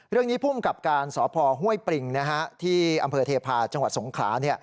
เรื่องนี้พุ่มกับการสภห้วยปริงที่อำเภอเทพาะจสงครา